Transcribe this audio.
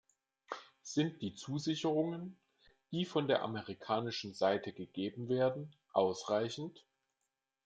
Sind die Zusicherungen, die von der amerikanischen Seite gegeben werden, ausreichend?